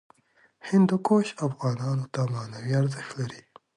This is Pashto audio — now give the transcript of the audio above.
هندوکش افغانانو ته معنوي ارزښت لري.